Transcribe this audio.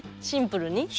シンプルに。